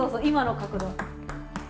今の角度。